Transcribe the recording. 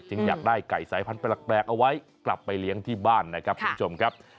อยากได้ไก่สายพันธุ์แปลกเอาไว้กลับไปเลี้ยงที่บ้านนะครับคุณผู้ชมครับ